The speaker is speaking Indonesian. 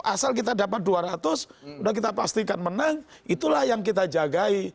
asal kita dapat dua ratus sudah kita pastikan menang itulah yang kita jagai